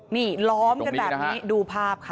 นี่ล้อมกันแบบนี้ดูภาพค่ะ